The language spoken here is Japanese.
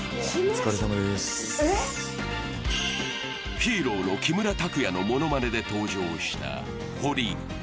「ＨＥＲＯ」の木村拓哉のモノマネで登場したホリ。